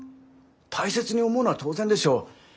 大切に思うのは当然でしょう。